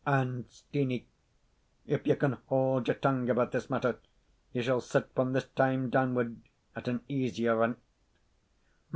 And, Steenie, if you can hold your tongue about this matter, you shall sit, from this time downward, at an easier rent."